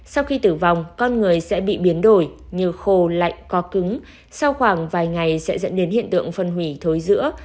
sau khi tử vong con người sẽ bị biến đổi như khô lạnh có cứng sau khoảng vài ngày sẽ dẫn đến hiện tượng phân hủy thối giữa